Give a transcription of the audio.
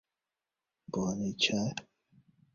Bone ĉar...